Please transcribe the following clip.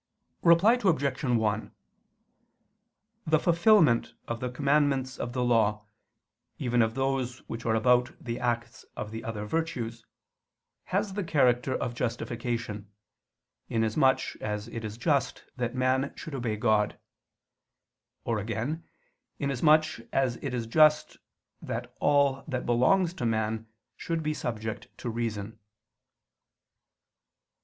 Reply Obj. 1: The fulfilment of the commandments of the Law, even of those which are about the acts of the other virtues, has the character of justification, inasmuch as it is just that man should obey God: or again, inasmuch as it is just that all that belongs to man should be subject to reason.